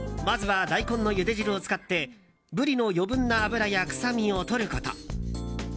まずは大根のゆで汁を使ってブリの余分な脂や臭みをとること。